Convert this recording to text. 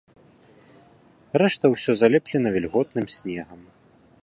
Рэшта ўсё залеплена вільготным снегам.